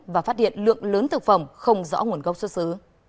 và phát hiện lượng lớn thực phẩm không rõ nguồn gốc xuất xứ